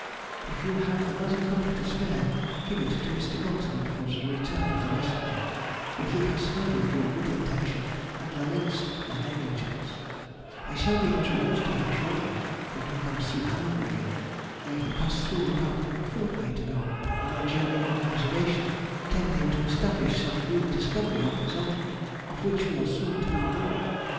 If you have another copy to spare give it to Mr. Goltermann for the return of the messenger; for he has heard of your good intention, and laments my negligence; I shall be introduced to him shortly, when he comes through Hanover again, where he passed through about a fortnight ago on a journey of observation, tending to establish some new discovery of his own, of which we are soon to know more.